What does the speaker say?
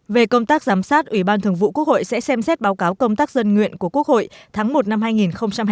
về công tác giám sát ủy ban thường vụ quốc hội sẽ xem xét báo cáo công tác dân nguyện của quốc hội tháng một năm hai nghìn hai mươi